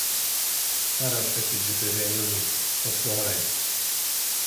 Araw x'qed jiġri fir-Renju Unit, fost l-oħrajn.